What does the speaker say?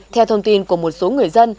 theo thông tin của một số người dân